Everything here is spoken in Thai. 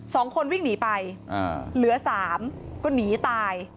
สองคนวิ่งหนีไปอ่าเหลือสามก็หนีตาย